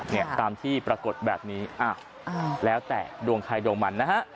เนี่ยตามที่ปรากฏแบบนี้อ่ะแล้วแต่ดวงใครดวงมันนะฮะ